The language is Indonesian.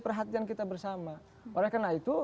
perhatian kita bersama oleh karena itu